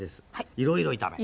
いろいろ炒め。